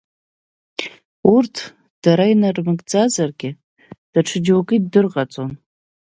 Урҭ, дара инармыгӡаргьы, даҽа џьоукы иддырҟаҵон.